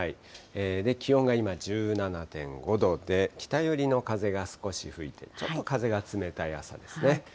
気温が今、１７．５度で、北寄りの風が少し吹いて、ちょっと風が冷たい朝ですね。